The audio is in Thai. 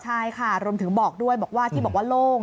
ใช่ค่ะรวมถึงบอกด้วยบอกว่าที่บอกว่าโล่ง